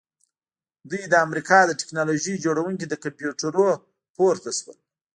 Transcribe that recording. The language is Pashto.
دوی د امریکا د ټیکنالوژۍ جوړونکي له کمپیوټرونو پورته شول